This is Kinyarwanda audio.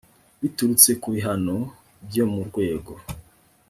biturutse ku bihano byo mu rwego